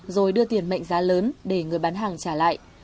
rồi đưa tiền mệnh giá lớn để người bán hàng trả lại